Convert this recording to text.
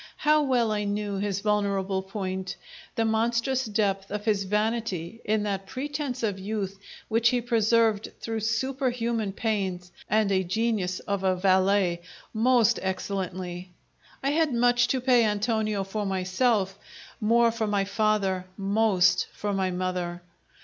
How well I knew his vulnerable point: the monstrous depth of his vanity in that pretense of youth which he preserved through superhuman pains and a genius of a valet, most excellently! I had much to pay Antonio for myself, more for my father, most for my mother.